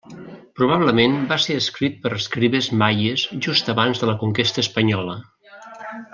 Probablement va ser escrit per escribes maies just abans de la conquesta espanyola.